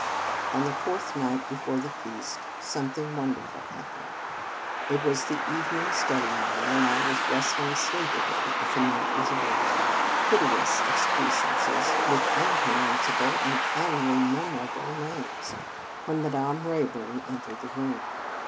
On the fourth night be fore the feast, something wonderful happened. It was the evening study hour, and I was wrestling sleepily with the mountains of Asia, hideous excrescences with unpronounceable and unrememberable names, when Madame Rayburn entered the room.